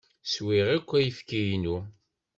Swiɣ akk ayefki-inu.